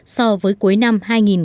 so với cuối năm hai nghìn một mươi sáu